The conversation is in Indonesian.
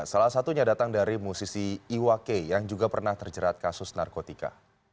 salah satunya datang dari musisi iwake yang juga pernah terjerat kasus narkotika